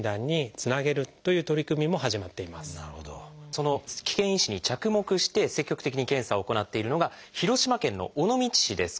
その危険因子に着目して積極的に検査を行っているのが広島県の尾道市です。